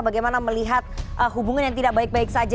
bagaimana melihat hubungan yang tidak baik baik saja